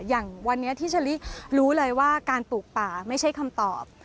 อย่างวันนี้ที่เชอรี่รู้เลยว่าการปลูกป่าไม่ใช่คำตอบ